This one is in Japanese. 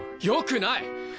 よくない！